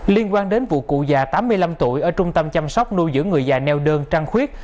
liên quan đến vụ cụ già tám mươi năm tuổi ở trung tâm chăm sóc nuôi dưỡng người già neo đơn trăng khuyết